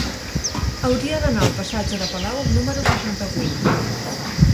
Hauria d'anar al passatge de Palau número seixanta-vuit.